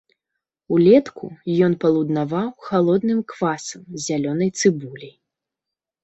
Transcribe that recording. Улетку ён палуднаваў халодным квасам з зялёнай цыбуляй.